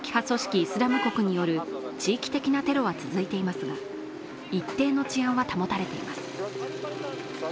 イスラム国による地域的なテロは続いていますが一定の治安は保たれています。